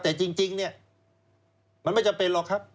แต่จริงเนี่ยมันไม่จำเป็นหรอกครับ